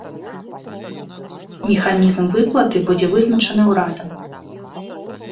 Механізм выплаты будзе вызначаны ўрадам.